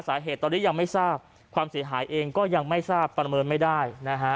สาเหตุตอนนี้ยังไม่ทราบความเสียหายเองก็ยังไม่ทราบประเมินไม่ได้นะฮะ